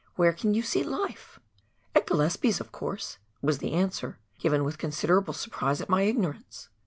where can you see life ?"" At Gillespies, of course," was the answer, given with con siderable surprise at my ignorance.